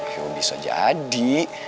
ya bisa jadi